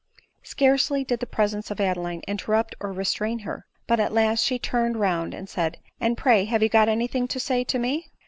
Scarcely did the presence of Adeline interrupt or re strain her ; but at last she turned round and said, " And, pray, have you got any thing to say to me